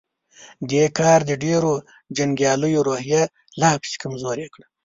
دې کار د ډېرو جنګياليو روحيه لا پسې کمزورې کړه.